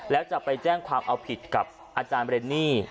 แล้วจะไปแจ้งความเอาผิดกับอาจารย์เรนนี่